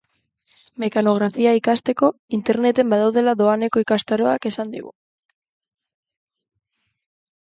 Mekanografia ikasteko Interneten badaudela doaneko ikastaroak esan digu.